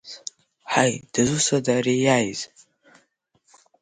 Ҳаи, дызусҭада ари иааз?